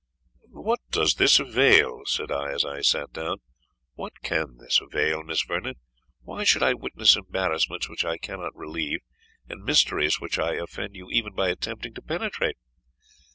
"What does this avail?" said I, as I sate down. "What can this avail, Miss Vernon? Why should I witness embarrassments which I cannot relieve, and mysteries which I offend you even by attempting to penetrate?